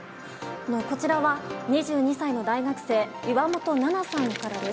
こちらは２２歳の大学生、岩本菜々さんからです。